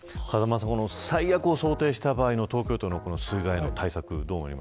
風間さん、最悪を想定した場合の東京都の水害対策